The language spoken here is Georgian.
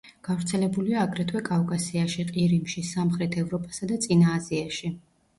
გავრცელებულია აგრეთვე კავკასიაში, ყირიმში, სამხრეთ ევროპასა და წინა აზიაში.